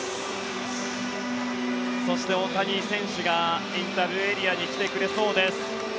そして、大谷選手がインタビューエリアに来てくれそうです。